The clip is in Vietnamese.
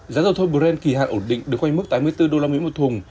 giá dầu thô brand kỳ hạn ổn định được quanh mức tám mươi bốn usd một thùng